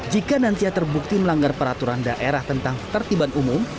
jika nanti ia terbukti melanggar peraturan daerah tentang tertiban umum